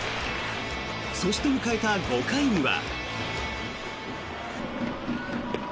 そして、迎えた５回には。